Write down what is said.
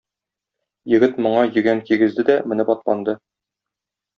Егет моңа йөгән кигезде дә менеп атланды.